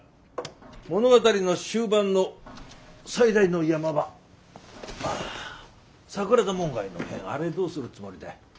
物語の終盤の最大の山場桜田門外の変あれどうするつもりだい。